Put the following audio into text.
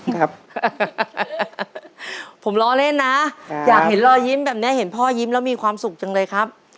ครับผมล้อเล่นนะอยากเห็นรอยยิ้มแบบนี้เห็นพ่อยิ้มแล้วมีความสุขจังเลยครับ